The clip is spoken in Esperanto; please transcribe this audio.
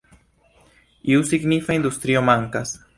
Iu signifa industrio mankas.